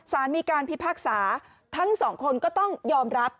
สารมีการพิพากษาทั้งสองคนก็ต้องยอมรับ